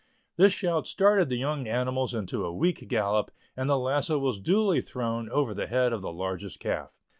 This shout started the young animals into a weak gallop and the lasso was duly thrown over the head of the largest calf.